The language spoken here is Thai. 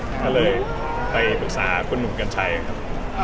ก็เลยไปปรึกษาคุณหนุ่มกัญชัยครับ